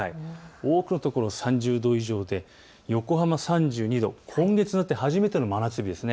多くの所３０度以上で横浜３２度、今月になって初めての真夏日です。